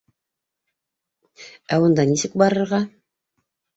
Ә унда нисек барырға?